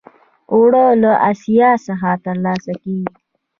اوړه له آسیاب څخه ترلاسه کېږي